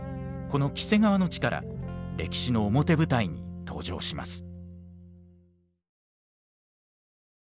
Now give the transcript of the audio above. この黄瀬川の地から歴史の表舞台に登場します。